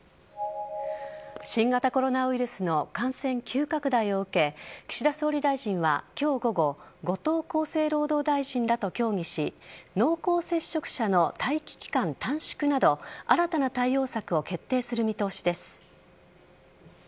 新型コロナウイルスの感染急拡大を受け岸田総理大臣は今日午後後藤厚生労働大臣らと協議し濃厚接触者の待機期間短縮など新たな対応策を決定する見通しです。